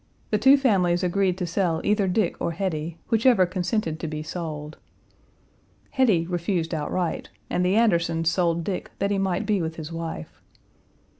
The two families agreed to sell either Dick or Hetty, whichever consented to be sold. Hetty refused outright, and the Andersons sold Dick that he might be with his wife.